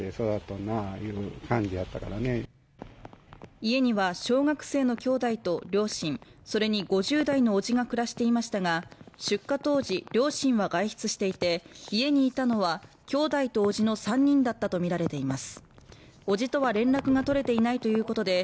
家には小学生の兄弟と両親それに５０代の伯父が暮らしていましたが出火当時両親は外出していて家にいたのは兄弟と伯父の３人だったと見られています